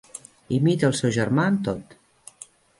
Imita el seu germà en tot.